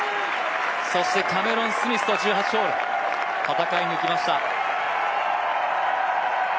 そしてキャメロン・スミスと１８ホール、戦い抜きました。